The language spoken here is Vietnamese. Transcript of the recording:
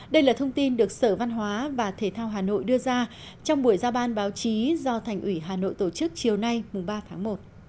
đây là thông tin được sở văn hóa và thể thao hà nội đưa ra trong buổi ra ban báo chí do thành ủy hà nội tổ chức chiều nay ba tháng một